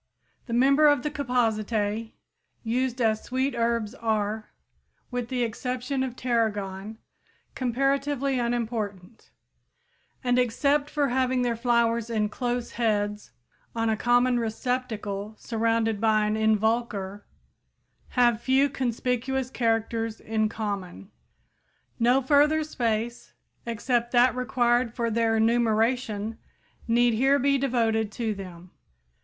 The members of the Compositæ used as sweet herbs are, with the exception of tarragon, comparatively unimportant, and except for having their flowers in close heads "on a common receptacle, surrounded by an involucre," have few conspicuous characters in common. No further space except that required for their enumeration need here be devoted to them.